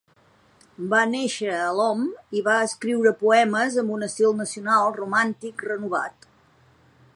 Va néixer a Lom i va escriure poemes amb un estil nacional romàntic renovat.